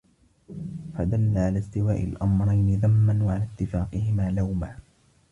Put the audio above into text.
فَدَلَّ عَلَى اسْتِوَاءِ الْأَمْرَيْنِ ذَمًّا وَعَلَى اتِّفَاقِهِمَا لَوْمًا